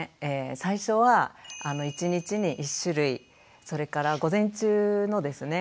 最初は１日に１種類それから午前中のですね